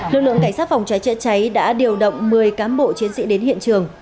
lực lượng cảnh sát phòng cháy chữa cháy đã điều động một mươi cám bộ chiến sĩ đến hiện trường